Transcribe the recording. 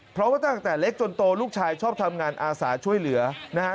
เพราะว่าตั้งแต่เล็กจนโตลูกชายชอบทำงานอาสาช่วยเหลือนะฮะ